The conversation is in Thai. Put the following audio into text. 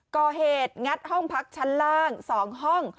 ก่อเหตุงัดห้องพักชั้นล่าง๒ห้อง